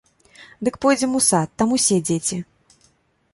Дык пойдзем у сад, там усе дзеці.